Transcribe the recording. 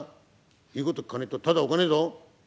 言うこと聞かねえとただおかねえぞ！